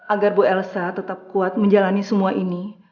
agar bu elsa tetap kuat menjalani semua ini